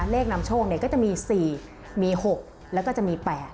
เลขนำโชคก็จะมี๔มี๖แล้วก็จะมี๘